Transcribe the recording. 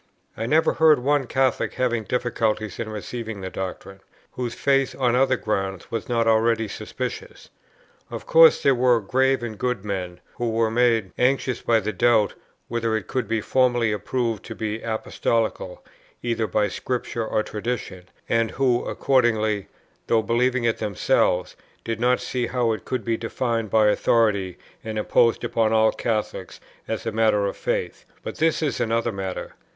I never heard of one Catholic having difficulties in receiving the doctrine, whose faith on other grounds was not already suspicious. Of course there were grave and good men, who were made anxious by the doubt whether it could be formally proved to be Apostolical either by Scripture or tradition, and who accordingly, though believing it themselves, did not see how it could be defined by authority and imposed upon all Catholics as a matter of faith; but this is another matter.